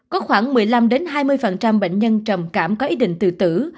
có khoảng một mươi năm hai mươi bệnh nhân trầm cảm có ý định tự tử